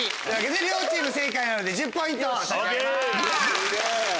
両チーム正解なので１０ポイント差し上げます。